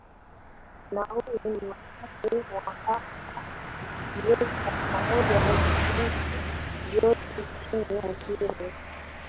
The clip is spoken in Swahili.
na huu ni wakati mwafaka kuvileta pamoja vikundi vyote nchini misri